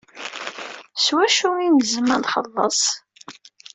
S wacu i nezem ad nxelleṣ?